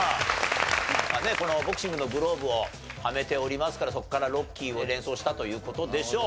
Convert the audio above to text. このボクシングのグローブをはめておりますからそこから『ロッキー』を連想したという事でしょう。